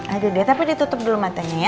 aduh dia tapi ditutup dulu matanya ya